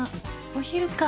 お昼か。